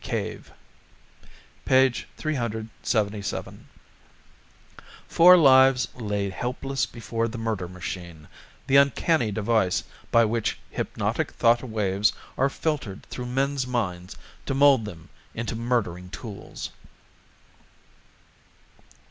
CAVE 377 _Four Lives Lay Helpless Before the Murder Machine, the Uncanny Device by Which Hypnotic Thought Waves Are Filtered Through Men's Minds to Mold Them Into Murdering Tools.